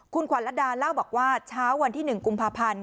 คุณขวัญละดาเล่าบอกว่าเช้าวันที่๑กุมภาพันธ์